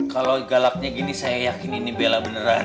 kalau galaknya gini saya yakin ini belah beneran